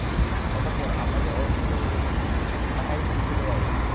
অতঃপর আমরা যে অর্থ ধরিতেছি, তাহাই নির্ভুল হওয়া উচিত।